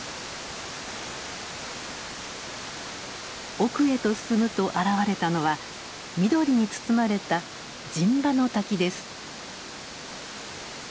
奥へと進むと現れたのは緑に包まれた陣馬の滝です。